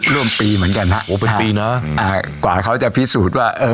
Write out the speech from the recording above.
ร่วมปีเหมือนกันฮะโอ้เป็นปีเนอะอ่ากว่าเขาจะพิสูจน์ว่าเออ